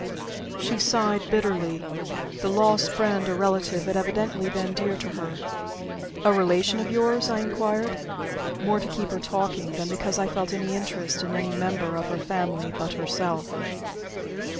She sighed bitterly. The lost friend or relative had evidently been dear to her. "A relation of yours?" I inquired more to keep her talking than because I felt any interest in any member of her family but herself.